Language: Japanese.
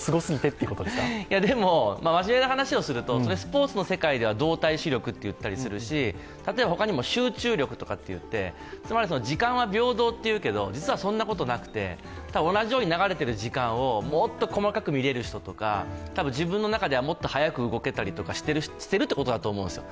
真面目な話をすると、スポーツの世界では動体視力と言ったりするし例えば他にも集中力とかっていって、つまり時間は平等っていうけど実はそんなことなくて、同じように流れている時間をもっと細かく見れる人とか自分の中ではもっと速く動けたりしているということだと思うんですよ。